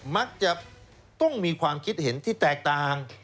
มักจะต้องมีความคิดเห็นที่แตกต่าง